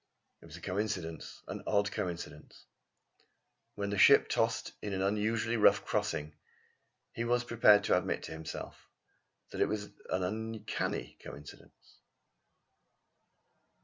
It was a coincidence an odd coincidence. When the ship tossed in an unusually rough crossing he was prepared to admit to himself that it was an uncanny coincidence.